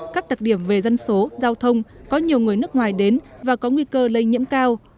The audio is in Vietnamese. các đặc điểm về dân số giao thông có nhiều người nước ngoài đến và có nguy cơ lây nhiễm cao